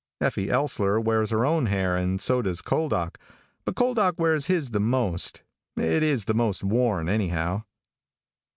Effie Ellsler wears her own hair and so does Couldock, but Couldock wears his the most. It is the most worn anyhow.